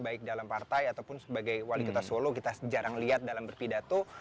baik dalam partai ataupun sebagai wali kota solo kita jarang lihat dalam berpidato